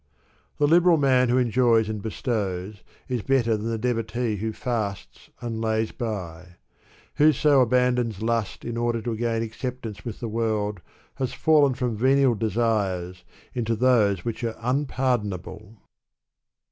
The liberal man, who enjoys and bestows, is better than the devotee, who fasts and lays by. Whoso abandons lust in order to gain acceptance with the world has fallen from venial desires into those which are unpardonable.